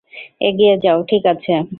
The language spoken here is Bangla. এগিয়ে যাও, ঠিক আছে।